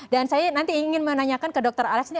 dan saya nanti ingin menanyakan ke dr alex ini